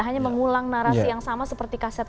hanya mengulang narasi yang sama seperti kaset